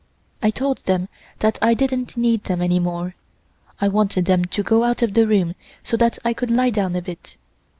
I told them that I didn't need them any more. I wanted them to go out of the room so that I could lie down a bit.